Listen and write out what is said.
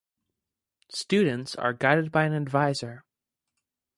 Students are guided by an advisor.